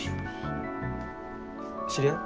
知り合い？